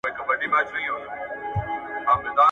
راډیو کلیوالو ته معلومات رسوي.